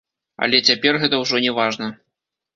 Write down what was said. Але цяпер гэта ўжо не важна.